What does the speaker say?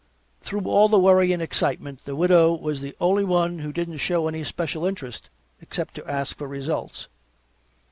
Through all the worry and excitement the Widow was the only one who didn't show any special interest, except to ask for results.